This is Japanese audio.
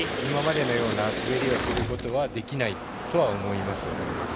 今までのような滑りをすることはできないとは思います。